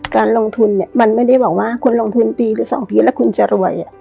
การลงทุนเนี่ยมันไม่ได้บอกว่าคุณลงทุนปีหรือ๒ปีแล้วคุณจะรวย